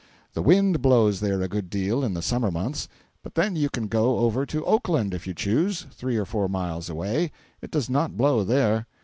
The wind blows there a good deal in the summer months, but then you can go over to Oakland, if you choose—three or four miles away—it does not blow there.